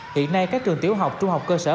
hiện nay các trường tiểu học trung học cơ sở